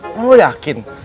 emang lu yakin